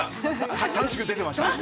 はい、楽しく出てました。